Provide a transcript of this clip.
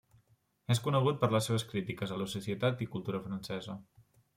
És conegut per les seves crítiques a la societat i cultura francesa.